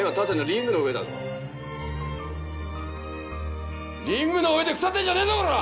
リングの上で腐ってんじゃねえぞコラ！